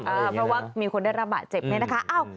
เพราะว่ามีคนได้ระบะเจ็บไหมนะคะ